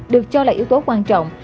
được cho là yếu tố quan trọng